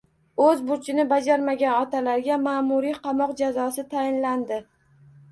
O‘z burchini bajarmagan otalarga mamuriy qamoq jazosi tayinlandi